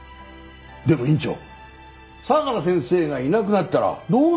でも院長相良先生がいなくなったら堂上は。